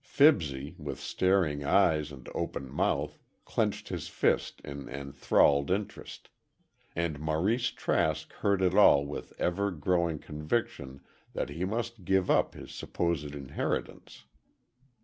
Fibsy, with staring eyes and open mouth, clenched his fists in enthralled interest, and Maurice Trask heard it all with ever growing conviction that he must give up his supposed inheritance.